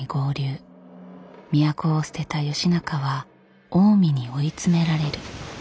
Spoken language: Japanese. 都を捨てた義仲は近江に追い詰められる。